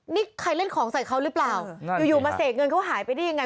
นี่ใครเล่นของใส่เขาหรือเปล่าอยู่มาเสกเงินเขาหายไปได้ยังไง